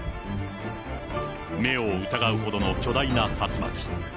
目を疑うほどの巨大な竜巻。